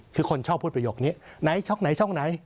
คือคนชอบพูดประโยคนี้ไหนช่องไหนช่องไหน